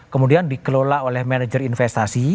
kemudian dikelola oleh manajer investasi